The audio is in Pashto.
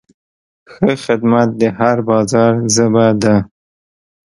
ښه خدمت د هر بازار ژبه ده.